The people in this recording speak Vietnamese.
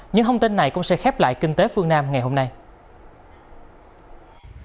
những thông tin này cũng sẽ khép kết với các thương hiệu nông sản việt trong thời đại kinh tế số